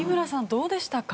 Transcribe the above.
どうでしたか？